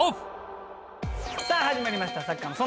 さあ始まりました「サッカーの園」。